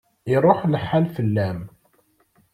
Iṛuḥ lḥal fell-am.